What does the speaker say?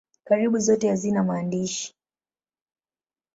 Karibu zote hazina maandishi.